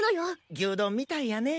牛丼みたいやねえ。